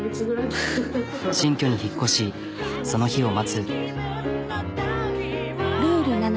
新居に引っ越しその日を待つ。